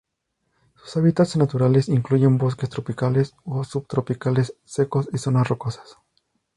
Sus hábitats naturales incluyen bosques tropicales o subtropicales secos y zonas rocosas.